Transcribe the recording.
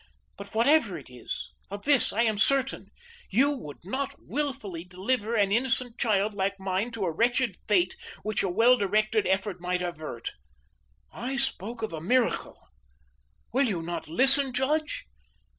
But whatever it is, of this I am certain: you would not wilfully deliver an innocent child like mine to a wretched fate which a well directed effort might avert. I spoke of a miracle Will you not listen, judge?